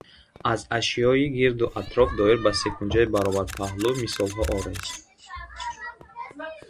Аз ашёи гирду атроф доир ба секунҷаи баробарпаҳлу мисолҳо оред.